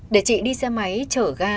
để chị đi xe máy chở ga